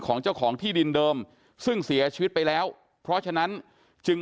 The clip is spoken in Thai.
ของเจ้าของที่ดินเดิมซึ่งเสียชีวิตไปแล้วเพราะฉะนั้นจึง